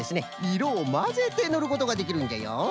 いろをまぜてぬることができるんじゃよ。